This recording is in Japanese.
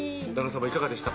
さまいかがでした？